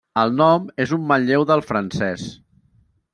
El nom és un manlleu del francès.